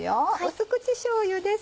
淡口しょうゆです。